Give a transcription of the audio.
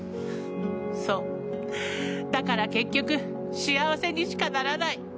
そうだから結局幸せにしかならない！